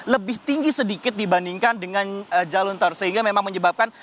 lebih tinggi sedikit dibandingkan dengan jalur tol sehingga memang menyebabkan